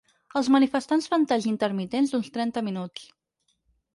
Els manifestants fan talls intermitents d’uns trenta minuts.